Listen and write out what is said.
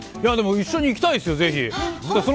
一緒に行きたいですよ。